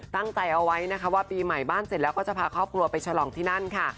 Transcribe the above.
ตั้งใจเอาไว้นะคะว่าปีใหม่บ้านเสร็จแล้วก็จะพาครอบครัวไปฉลองที่นั่นค่ะ